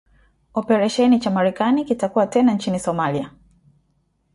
operesheni cha Marekani kitakuwa tena nchini Somalia